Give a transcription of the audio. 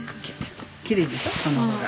きれいでしょその方が。